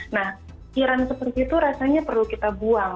nah kiran seperti itu rasanya perlu kita buang